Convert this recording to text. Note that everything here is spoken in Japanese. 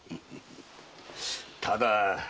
ただ。